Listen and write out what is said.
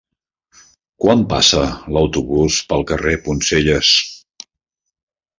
Quan passa l'autobús pel carrer Poncelles?